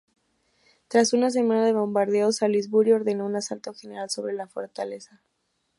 Tras una semana de bombardeo, Salisbury ordenó un asalto general sobre la fortaleza.